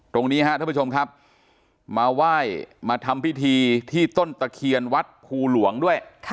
ตรงนี้ฮะท่านผู้ชมครับมาไหว้มาทำพิธีที่ต้นตะเคียนวัดภูหลวงด้วย